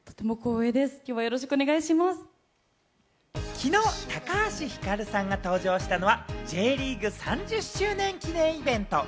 昨日、高橋ひかるさんが登場したのは、Ｊリーグ３０周年記念イベント。